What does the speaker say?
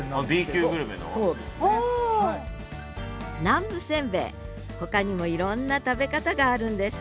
南部せんべいほかにもいろんな食べ方があるんです。